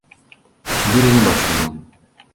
Сібіры не бачыў ён.